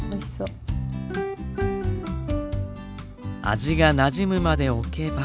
味がなじむまでおけば。